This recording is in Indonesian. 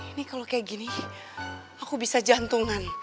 ini kalau kayak gini aku bisa jantungan